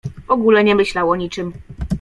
W ogóle nie myślał o niczym.